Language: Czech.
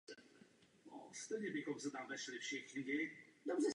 Videoklip je černobílý.